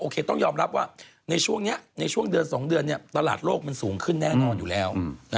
ต้องยอมรับว่าในช่วงนี้ในช่วงเดือน๒เดือนตลาดโลกมันสูงขึ้นแน่นอนอยู่แล้ว